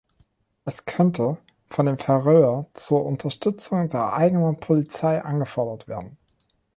Es konnte von den Färöer zur Unterstützung der eigenen Polizei angefordert werden.